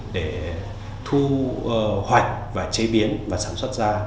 để thu hoạch và chế biến và sản xuất ra